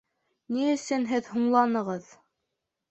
Ни өсөн һеҙ һуңланығыҙ?